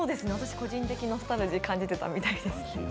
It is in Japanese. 個人的ノスタルジーを感じていたみたいです。